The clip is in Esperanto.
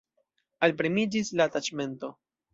Alpremiĝis la taĉmento.